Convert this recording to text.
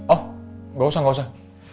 oh gak usah gak usah